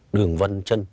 đường vân chân